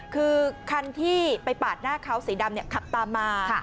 คือคันที่ไปปาดหน้าเขาสีดำขับตามมา